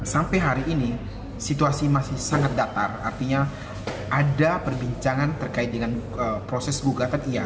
sampai hari ini situasi masih sangat datar artinya ada perbincangan terkait dengan proses gugatan iya